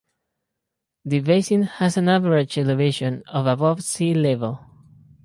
The basin has an average elevation of above sea level.